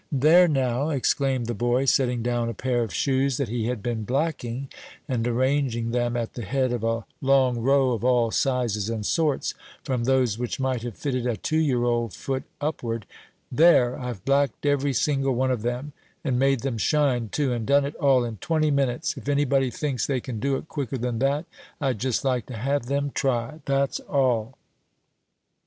"There, now," exclaimed the boy, setting down a pair of shoes that he had been blacking, and arranging them at the head of a long row of all sizes and sorts, from those which might have fitted a two year old foot upward, "there, I've blacked every single one of them, and made them shine too, and done it all in twenty minutes; if any body thinks they can do it quicker than that, I'd just like to have them try; that's all."